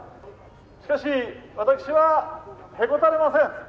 しかし私はへこたれません。